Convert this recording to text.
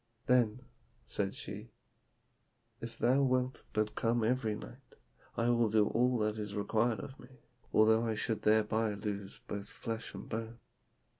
'Then,' said she, 'if thou wilt but come every night, I will do all that is required of me, although I should thereby lose both flesh and bone.'